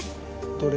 どれ？